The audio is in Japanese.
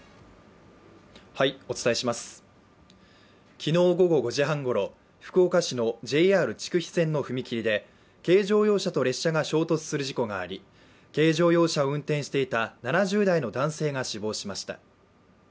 昨日午後５時半ごろ福岡市のＪＲ筑肥線の踏切で軽乗用車と列車が衝突する事故があり、軽乗用車を運転していた７０代の男性が死亡しました。